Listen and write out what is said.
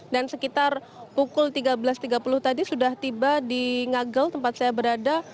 dan sekitar pukul tiga belas tiga puluh tadi sudah tiba di ngagel tempat saya berada